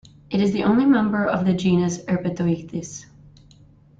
It is the only member of the genus Erpetoichthys.